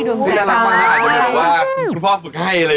อยู่ไม่ได้หว่าคุณพ่อฝึกให้เลย